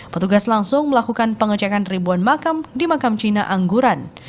petugas langsung melakukan pengecekan ribuan makam di makam cina angguran